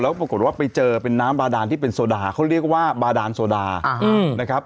ปรากฏว่าไปเจอเป็นน้ำบาดานที่เป็นโซดาเขาเรียกว่าบาดานโซดานะครับ